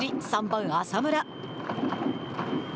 ３番、浅村。